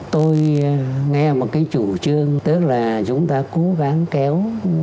tôi nghe một cái chủ trương tức là chúng ta cố gắng kéo